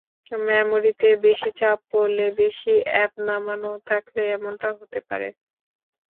মেমোরিতে বেশি চাপ পড়লে, বেশি অ্যাপ নামানো থাকলে এমনটা হতে পারে।